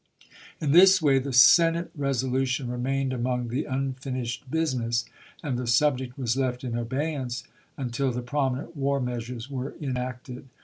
In this way the Senate resolution remained among the unfinished business, and the subject was left in abeyance until the prominent war measures were enacted.